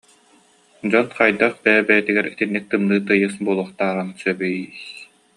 Дьон хайдах бэйэ-бэйэтигэр итинник тымныы тыйыс буолуохтарын сөбүй